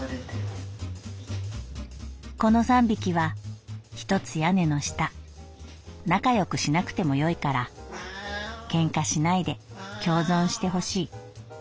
「この三匹は一つ屋根の下仲良くしなくてもよいから喧嘩しないで共存してほしい。